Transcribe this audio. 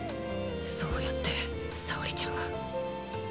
そうやって沙織ちゃんは。